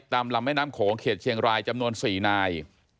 ลำแม่น้ำโขงเขตเชียงรายจำนวน๔นาย